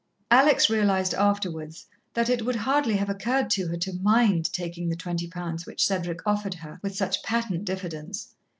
Alex realized afterwards that it would hardly have occurred to her to mind taking the twenty pounds which Cedric offered her with such patent diffidence.